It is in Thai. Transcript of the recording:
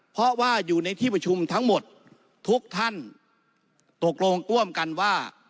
เพราะว่าอยู่ในที่ประชุมทั้งหมดทุกท่านตกลงร่วมกันว่า